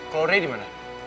kalau ray dimana